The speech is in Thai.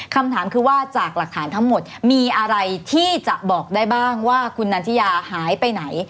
คำถามคือว่าจากหลักฐานทั้งหมดมีอะไรที่จะบอกได้บ้างว่าคุณนันทิยาหายไปไหน